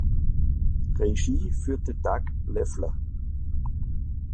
Regie führte Doug Lefler.